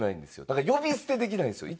だから呼び捨てできないんですよ。